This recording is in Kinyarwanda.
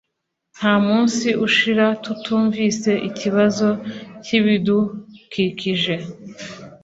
Ntamunsi ushira tutumvise ikibazo cyibidukikije